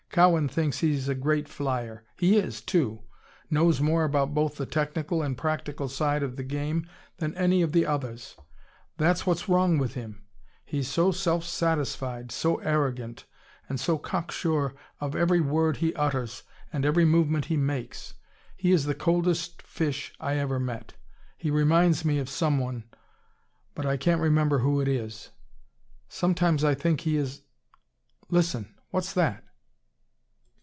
Cowan thinks he is a great flyer. He is, too. Knows more about both the technical and practical side of the game than any of the others. That's what's wrong with him. He is so self satisfied, so arrogant, and so cocksure of every word he utters and every movement he makes. He is the coldest fish I ever met. He reminds me of someone but I can't remember who it is. Sometimes I think he is Listen! What's that?"